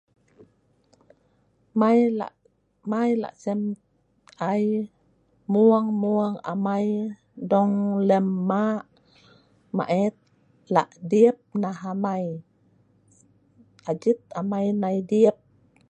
Mai lah, mai lahsem ai mung-mung amai dong lem ma' maet lah' dip nah amai. Ajit amai nai dip.